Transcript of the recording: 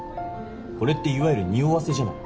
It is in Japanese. これっていわゆるにおわせじゃない？